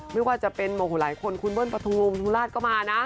ไม่ว่าจะเป็นโมโหหลายคนคุณเบิ้ลปฐุมธุราชก็มานะ